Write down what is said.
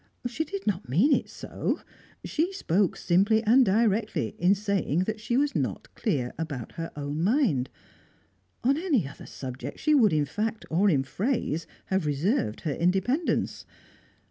She did not mean it so; she spoke simply and directly in saying that she was not clear about her own mind; on any other subject she would in fact, or in phrase, have reserved her independence.